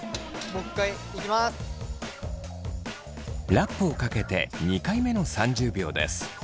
ラップをかけて２回目の３０秒です。